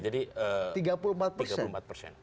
jadi tiga puluh empat persen